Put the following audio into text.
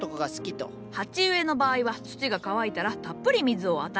鉢植えの場合は土が乾いたらたっぷり水を与える。